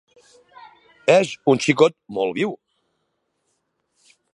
És un xicot molt viu.